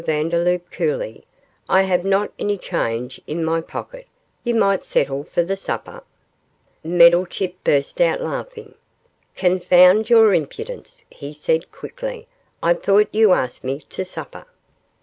Vandeloup, coolly, 'I have not any change in my pocket; you might settle for the supper.' Meddlechip burst out laughing. 'Confound your impudence,' he said, quickly, 'I thought you asked me to supper.